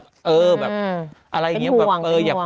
แบบอะไรอย่างเงี้ยอยากโบ๊ค